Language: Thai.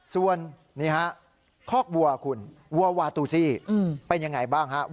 ส่วนนี่ฮะคอกวัวคุณวัววาตูซี่เป็นยังไงบ้างฮะ